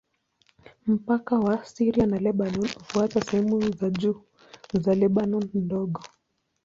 Mpaka wa Syria na Lebanoni hufuata sehemu za juu za Lebanoni Ndogo.